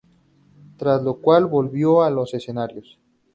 Tras lo cual volvió a los escenarios.